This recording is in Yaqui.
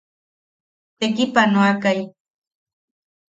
Tekipanoakai.